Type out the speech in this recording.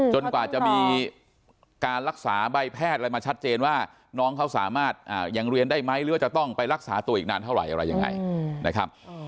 จนกว่าจะมีการรักษาใบแพทย์มาชัดเจนว่าน้องเขาสามารถเรียนได้ไหมหรือว่าจะต้องไปรักษาตัวอีกนานเท่าไหร่